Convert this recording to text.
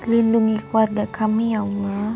lindungi keluarga kami ya allah